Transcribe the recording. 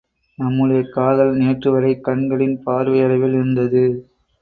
நம்முடைய காதல் நேற்றுவரை கண்களின் பார்வையளவில் இருந்தது.